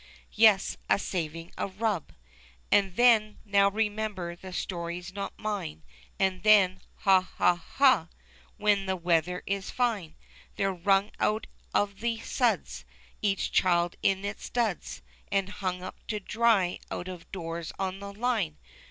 Yes, a saving of rub. And then — now remember the story's not mine — And then — ha, ha, ha ! when the weather is fine. They're wrung out of the suds. Each child in its duds. And hung up to dry out of doors on the line